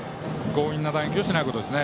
強引な打撃をしないことです。